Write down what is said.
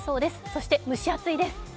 そして蒸し暑いです。